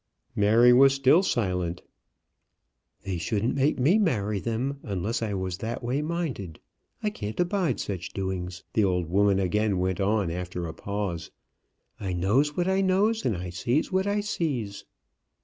Mary was still silent. "They shouldn't make me marry them unless I was that way minded. I can't abide such doings," the old woman again went on after a pause. "I knows what I knows, and I sees what I sees."